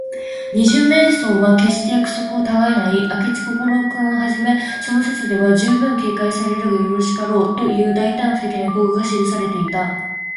二十面相は、けっして約束をたがえない。明智小五郎君をはじめ、その筋では、じゅうぶん警戒されるがよろしかろう、という大胆不敵の予告が記されていた。